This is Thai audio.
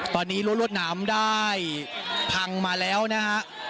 ตอนนี้รั้วรวดน้ำได้พังมาแล้วนะฮะ